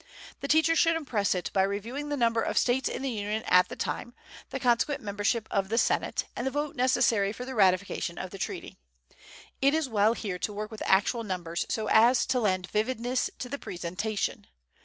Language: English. The teacher should impress it by reviewing the number of states in the Union at the time, the consequent membership of the Senate, and the vote necessary for the ratification of the treaty. It is well here to work with actual numbers so as to lend vividness to the presentation.